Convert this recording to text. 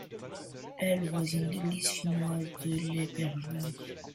Elle voisine l'Église finnoise de Lapinjärvi.